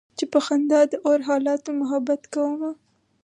چې په خندا د اور حالاتو محبت کومه